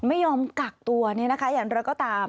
ไม่ยอมกักตัวเนี่ยนะคะอย่างไรก็ตาม